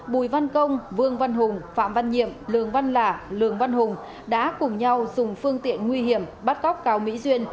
bùi văn công vương văn hùng phạm văn nhiệm lương văn lạ lương văn hùng đã cùng nhau dùng phương tiện nguy hiểm bắt góc cao mỹ duyên